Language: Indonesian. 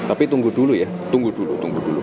tapi tunggu dulu ya tunggu dulu tunggu dulu